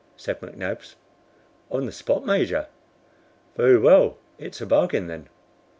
said McNabbs. "On the spot, Major." "Very well, it's a bargain, then."